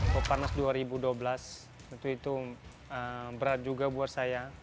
pepanas dua ribu dua belas itu berat juga buat saya